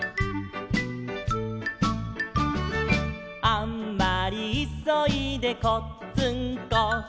「あんまりいそいでこっつんこ」